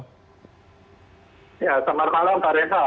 selamat malam pak reza